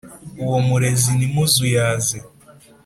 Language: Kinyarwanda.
uwo murezi ntimuzuyaze,